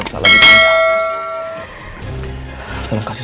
sisi rumah ini